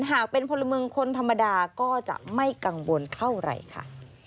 หากเป็นพลเมืองคนธรรมดาก็จะไม่กังวลเท่าไหร่ค่ะ